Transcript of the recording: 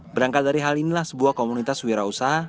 berangkat dari hal inilah sebuah komunitas wira usaha